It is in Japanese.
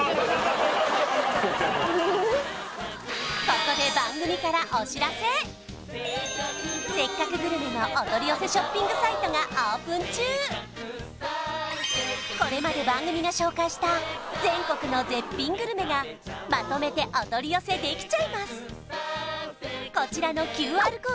ここで「せっかくグルメ！！」のお取り寄せショッピングサイトがオープン中これまで番組が紹介した全国の絶品グルメがまとめてお取り寄せできちゃいます！